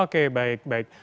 oke baik baik